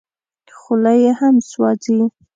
خوله یې هم سوځي .